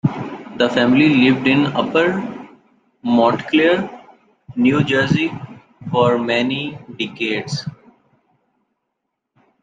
The family lived in Upper Montclair, New Jersey for many decades.